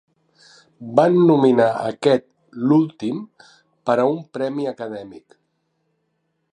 Van nominar aquest l'últim per a un premi acadèmic.